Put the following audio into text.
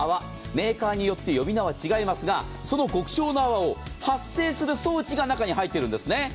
メーカーによって呼び名は違いますが、その極小の泡を発生する装置が中に入ってるんですね。